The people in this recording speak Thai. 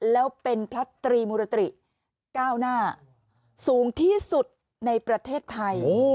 แล้วเป็นพระตรีมุรติก้าวหน้าสูงที่สุดในประเทศไทย